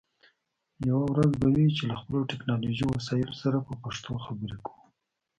یوه ورځ به وي چې له خپلو ټکنالوژی وسایلو سره په پښتو خبرې کوو